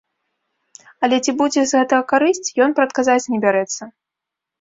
Але ці будзе з гэтага карысць, ён прадказаць не бярэцца.